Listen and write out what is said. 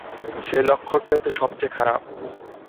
সেই লক্ষণটাই তো সব চেয়ে খারাপ।